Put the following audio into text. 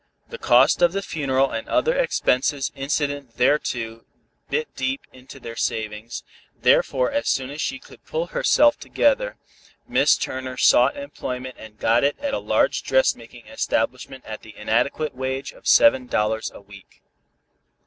The cost of the funeral and other expenses incident thereto bit deep into their savings, therefore as soon as she could pull herself together, Mrs. Turner sought employment and got it in a large dressmaking establishment at the inadequate wage of seven dollars a week.